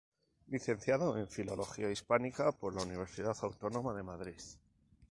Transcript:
Licenciado en Filología Hispánica por la Universidad Autónoma de Madrid.